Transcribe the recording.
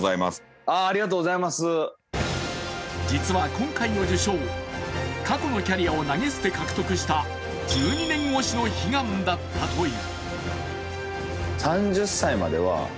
実は今回の受賞、過去のキャリアを投げ捨て獲得した１２年越しの悲願だったという。